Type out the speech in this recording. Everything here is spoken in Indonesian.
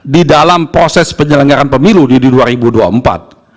di dalam proses penyelenggaran pemilu di dua ribu dua puluh empat